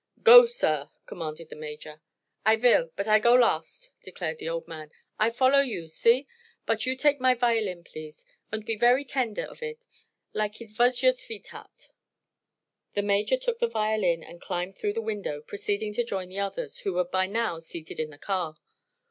"Go, sir!" commanded the Major. "I vill; bud I go last," declared the old man. "I follow you see? Bud you take my violin, please unt be very tender of id, like id vas your sveetheardt." The Major took the violin and climbed through the window, proceeding to join the others, who were by now seated in the car.